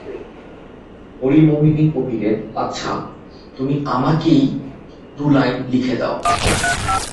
হরিমোহিনী কহিলেন, আচ্ছা, তুমি আমাকেই দু-লাইন লিখে দাও।